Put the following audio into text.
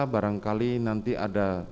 barangkali nanti ada